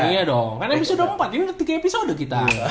iya dong karena episode keempat ini tiga episode kita